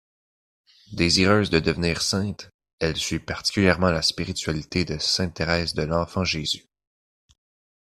Désireuse de devenir sainte, elle suit particulièrement la spiritualité de sainte Thérèse de l'Enfant-Jésus.